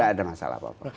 enggak ada masalah apa apa